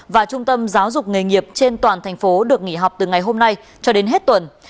và trung tâm giáo dục nghề nghiệp trên toàn thành phố được nghỉ học từ ngày hôm nay cho đến hết tuần